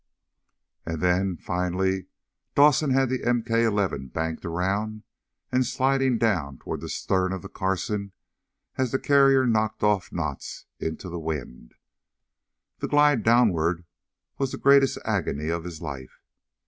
And then, finally, Dawson had the MK 11 banked around and sliding down toward the stern of the Carson as the carrier knocked off knots into the wind. That glide downward was the greatest agony of his life.